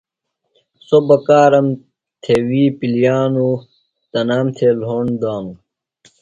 سوۡ بکارم تھےۡ وی پِلیانوۡ۔ تنام تھےۡ لھوݨ دانوۡ۔